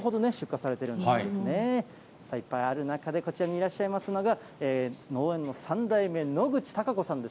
さあ、いっぱいある中で、こちらにいらっしゃいますのが、農園の３代目、野口貴子さんです。